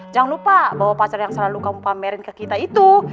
jangan lupa bahwa pacar yang selalu kamu pamerin ke kita itu